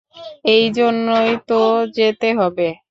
এই জন্যই তো যেতে হবে।